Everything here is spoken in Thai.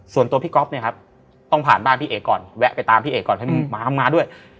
ส่วนตัวพี่ก๊อฟเนี่ยครับต้องผ่านบ้านพี่เอกก่อนแวะไปตามพี่เอกก่อนให้มาด้วย